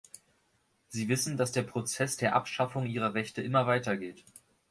Sie wissen, dass der Prozess der Abschaffung ihrer Rechte immer weitergeht.